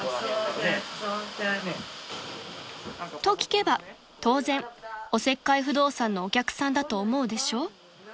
［と聞けば当然おせっかい不動産のお客さんだと思うでしょう？］